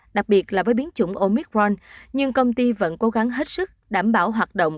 đặc biệt là với biến chủng omicron nhưng công ty vẫn cố gắng hết sức đảm bảo hoạt động